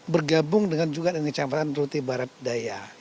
bergabung dengan juga kecamatan rote barat daya